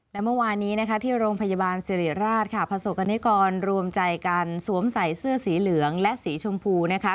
และเมื่อวานนี้นะคะที่โรงพยาบาลสิริราชค่ะประสบกรณิกรรวมใจกันสวมใส่เสื้อสีเหลืองและสีชมพูนะคะ